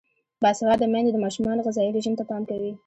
باسواده میندې د ماشومانو غذايي رژیم ته پام کوي.